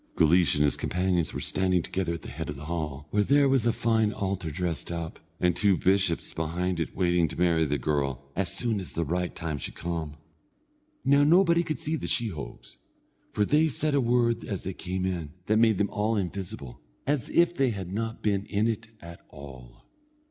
Guleesh and his companions were standing together at the head of the hall, where there was a fine altar dressed up, and two bishops behind it waiting to marry the girl, as soon as the right time should come. Now nobody could see the sheehogues, for they said a word as they came in, that made them all invisible, as if they had not been in it at all.